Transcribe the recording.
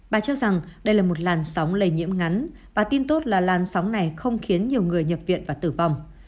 bà cho rằng đây là một làn sóng lây nhiễm ngắn và tin tốt là lan sóng này không khiến nhiều người nhập viện và tử vong